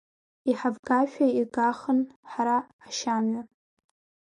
Иҳавгашәа игахын хара ашьамҩа…